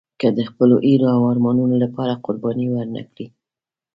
که د خپلو هیلو او ارمانونو لپاره قرباني ورنه کړئ.